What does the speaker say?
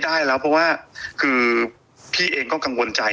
ได้แล้วเพราะว่าคือพี่เองก็กังวลใจ